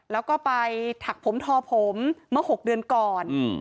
แล้วก็ไปถักผมทอผมเมื่อ๖เดือนก่อน